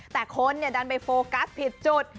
แต่คนดันไปโฟกัสผิดจุด